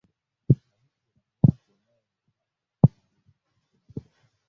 nahisi salamu yako nayo ni chafu kama yalivyo mavazi yako